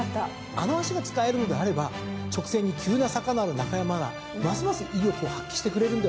あの脚が使えるのであれば直線に急な坂のある中山ならますます威力を発揮してくれるんではないかと。